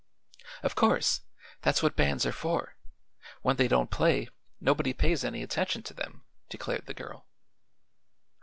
"Of course; that's what bands are for. When they don't play, nobody pays any attention to them," declared the girl.